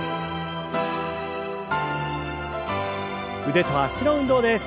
腕と脚の運動です。